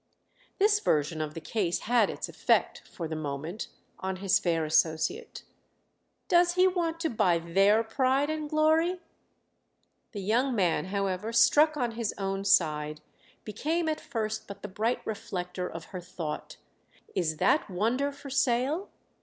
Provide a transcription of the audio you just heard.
This version of the case had its effect, for the moment, on his fair associate. "Does he want to buy their pride and glory?" The young man, however, struck on his own side, became at first but the bright reflector of her thought. "Is that wonder for sale?"